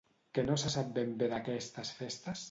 Què no se sap ben bé d'aquestes festes?